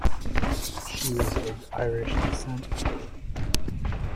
She was of Irish descent.